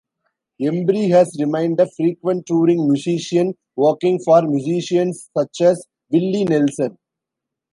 Embry has remained a frequent touring musician, working for musicians such as Willie Nelson.